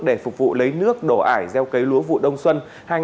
để phục vụ lấy nước đổ ải gieo cấy lúa vụ đông xuân